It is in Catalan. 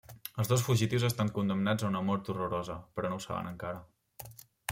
Els dos fugitius estan condemnats a una mort horrorosa però no ho saben encara.